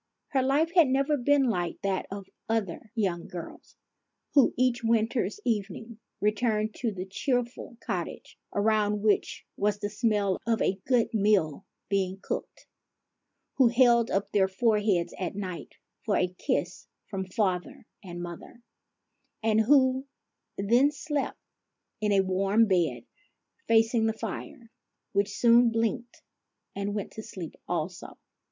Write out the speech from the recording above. Her life had never been like that of other young girls, who each winter's evening returned to the cheerful cottage, around which was the smell of a good meal being cooked ; who held up their foreheads at night for a kiss from father and mother ; and who then slept in a warm bed, facing the fire, which soon blinked, and went to sleep also.